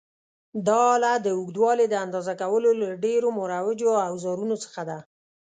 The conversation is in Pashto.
دا آله د اوږدوالي د اندازه کولو له ډېرو مروجو اوزارونو څخه ده.